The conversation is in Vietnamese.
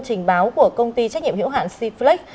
trình báo của công ty trách nhiệm hiệu hạn c flex